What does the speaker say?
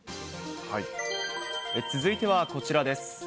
続いてはこちらです。